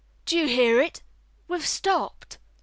Do you hear it, we've stopped!"